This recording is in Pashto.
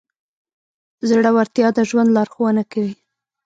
زړهورتیا د ژوند لارښوونه کوي.